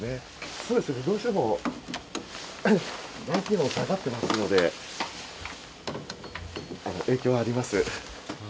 そうですね、どうしても外気温が下がってますので、影響はあります。